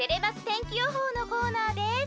天気予報のコーナーです。